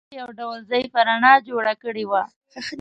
واورې یو ډول ضعیفه رڼا جوړه کړې وه